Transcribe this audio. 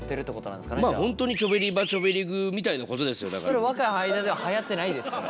それ若い間でははやってないですそれ。